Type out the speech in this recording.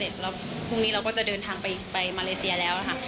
พรุ่งนี้เราก็จะเดินทางไปมาเลเซียแล้ว